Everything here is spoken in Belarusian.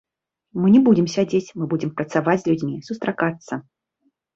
Мы не будзем сядзець, мы будзем працаваць з людзьмі, сустракацца.